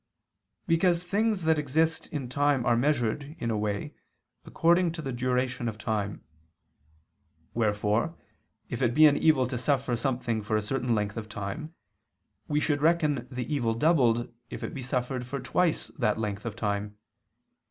Because things that exist in time are measured, in a way, according to the duration of time: wherefore if it be an evil to suffer something for a certain length of time, we should reckon the evil doubled, if it be suffered for twice that length of time.